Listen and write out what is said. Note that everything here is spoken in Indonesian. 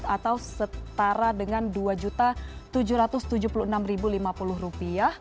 atau setara dengan rp dua tujuh ratus tujuh puluh enam lima puluh